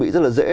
rất là dễ